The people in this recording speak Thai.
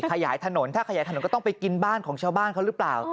ขยายถนนถ้าขยายถนนก็ต้องไปกินบ้านของชาวบ้านเขาหรือเปล่า